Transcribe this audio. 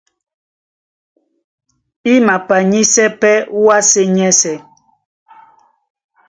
I mapanyísɛ́ pɛ́ wásē nyɛ́sɛ̄.